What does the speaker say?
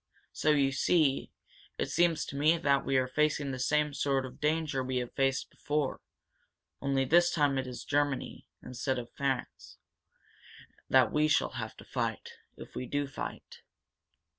So, you see, it seems to me that we are facing the same sort of danger we have faced before. Only this time it is Germany, instead of France, that we shall have to fight if we do fight."